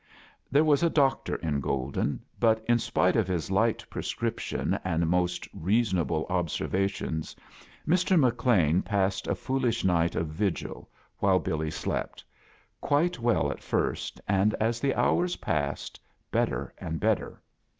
There was a doctor in Golden; but in spite of his light prescription and most reasonable observations, Mr. McLean pass ed a foolish night of vigil, while Billy slept, quite wdl at first, and, as the hours passed. Hi A JOURNEY IN SEARCH OF CHRKTHAS better and better.